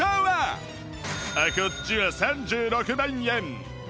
こっちは３６万円